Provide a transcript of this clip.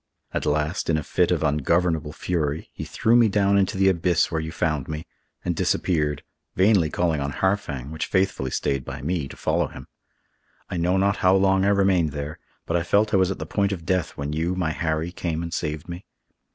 At last, in a fit of ungovernable fury, he threw me down into the abyss where you found me, and disappeared, vainly calling on Harfang, which faithfully stayed by me, to follow him. I know not how long I remained there, but I felt I was at the point of death when you, my Harry, came and saved me.